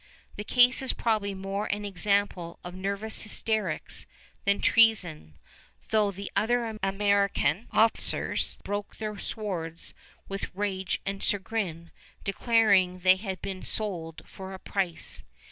The case is probably more an example of nervous hysterics than treason, though the other American officers broke their swords with rage and chagrin, declaring they had been sold for a price.